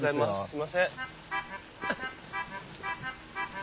すいません。